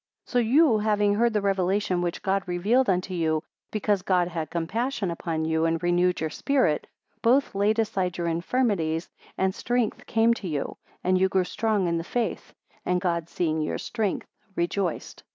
126 So you, having heard the Revelation which God revealed unto you, because God had compassion upon you, and renewed your spirit, both laid aside your infirmities, and strength came to you, and you grew strong in the faith; and God, seeing your strength, rejoiced.